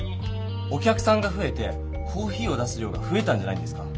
お客さんがふえてコーヒーを出す量がふえたんじゃないんですか？